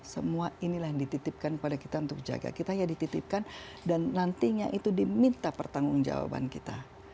semua inilah yang dititipkan kepada kita untuk jaga kita ya dititipkan dan nantinya itu diminta pertanggung jawaban kita